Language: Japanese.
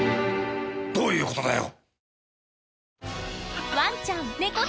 どういう事だよ！？